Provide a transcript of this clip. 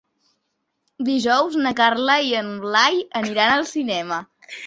Dijous na Carla i en Blai iran al cinema.